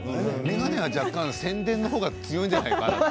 眼鏡は若干、宣伝の方が強いんじゃないかな？